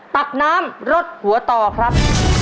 ตักน้ำรสหัวต่อครับ